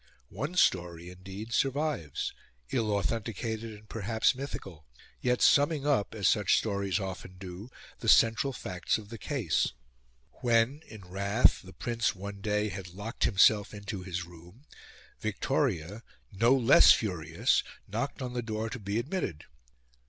One story, indeed, survives, ill authenticated and perhaps mythical, yet summing up, as such stories often do, the central facts of the case. When, in wrath, the Prince one day had locked himself into his room, Victoria, no less furious, knocked on the door to be admitted.